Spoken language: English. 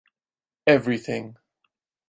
Everything.